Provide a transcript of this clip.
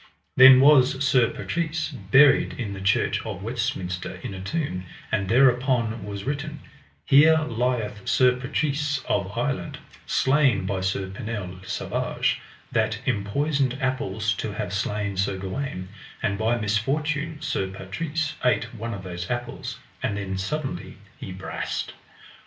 Then was Sir Patrise buried in the church of Westminster in a tomb, and thereupon was written: Here lieth Sir Patrise of Ireland, slain by Sir Pinel le Savage, that enpoisoned apples to have slain Sir Gawaine, and by misfortune Sir Patrise ate one of those apples, and then suddenly he brast.